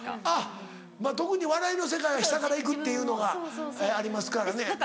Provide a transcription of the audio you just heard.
あっ特に笑いの世界は下から行くっていうのがありますからね。